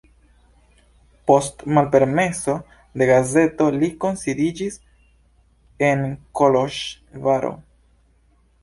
Post malpermeso de gazeto li loksidiĝis en Koloĵvaro.